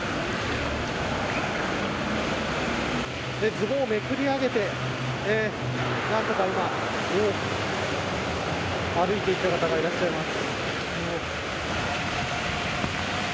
ズボンをめくり上げて何とか歩いていっている方がいらっしゃいます。